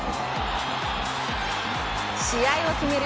試合を決める